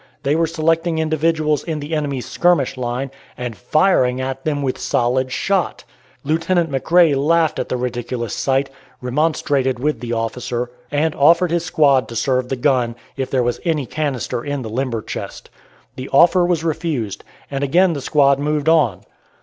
They were selecting individuals in the enemy's skirmish line, and firing at them with solid shot! Lieutenant McRae laughed at the ridiculous sight, remonstrated with the officer, and offered his squad to serve the gun, if there was any canister in the limber chest. The offer was refused, and again the squad moved on.